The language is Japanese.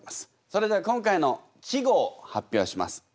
それでは今回の稚語を発表します。